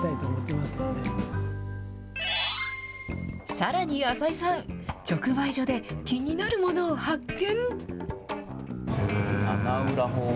さらに浅井さん、直売所で気になるものを発見。